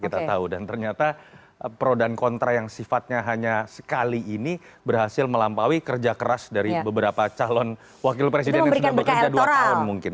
kita tahu dan ternyata pro dan kontra yang sifatnya hanya sekali ini berhasil melampaui kerja keras dari beberapa calon wakil presiden yang sudah bekerja dua tahun mungkin